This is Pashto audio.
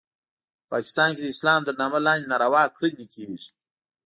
په پاکستان کې د اسلام تر نامه لاندې ناروا کړنې کیږي